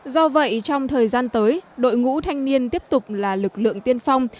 do vậy trong thời gian tới đội ngũ thanh niên tiếp tục là lực lượng tiên phong